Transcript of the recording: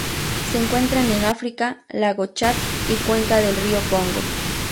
Se encuentran en África: lago Chad y cuenca del río Congo.